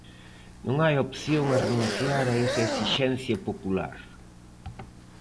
Non hai opción a renunciar a esa esixencia popular.